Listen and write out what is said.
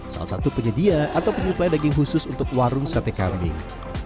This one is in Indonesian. salah satu penyedia atau penyuplai daging khusus untuk warung sate kambing